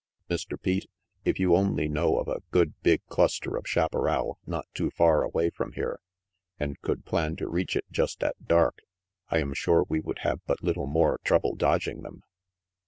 Mr. Pete, if you only know of a good big cluster of chaparral not too far away from here, and could plan to reach it just at dark, I am sure we would have but little more trouble dodging them.